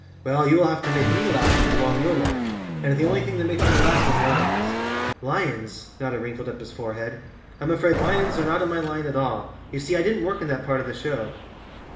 "Well, you will have to make me laugh to prolong your life, and the only thing that makes me laugh is lions I" "Lions!" Notta wrinkled up his forehead. "I'm afraid lions are not in my line at all. You see I didn't work in that part of the show."